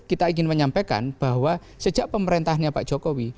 kita ingin menyampaikan bahwa sejak pemerintahnya pak jokowi